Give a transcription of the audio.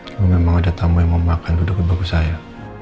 kalau memang ada tamu yang mau makan duduk di bangku saya